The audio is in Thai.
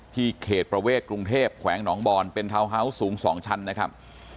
เขตประเวทกรุงเทพแขวงหนองบอลเป็นทาวน์ฮาวส์สูง๒ชั้นนะครับ